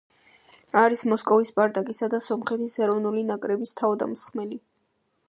არის მოსკოვის „სპარტაკისა“ და სომხეთის ეროვნული ნაკრების თავდამსხმელი.